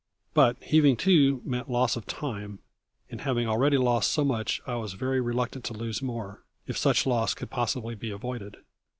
But heaving to meant loss of time; and having already lost so much I was very reluctant to lose more, if such loss could possibly be avoided.